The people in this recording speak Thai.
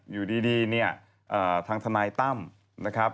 อยู่ดีเนี่ยทางทนายตั้มนะครับ